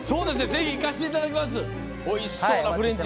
ぜひ行かせていただきます。